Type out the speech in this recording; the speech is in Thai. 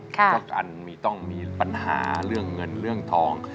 เพราะกันต้องมีปัญหาเรื่องเงินเรื่องทอง